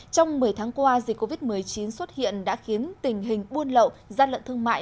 trong một mươi tháng qua dịch covid một mươi chín xuất hiện đã khiến tình hình buôn lậu gian lận thương mại